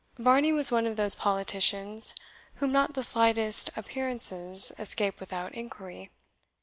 Varney was one of those politicians whom not the slightest appearances escape without inquiry.